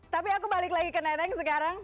tapi aku balik lagi ke neneng sekarang